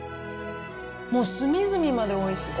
もう隅々までおいしい。